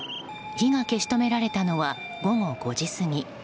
火が消し止められたのは午後５時過ぎ。